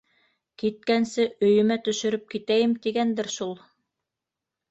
Киткәнсе, өйөмә төшөрөп китәйем тигәндер шул.